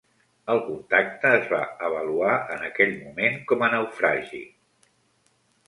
El contacte es va avaluar en aquell moment com a naufragi.